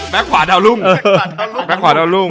แบ๊กขวาดาวรุ่ง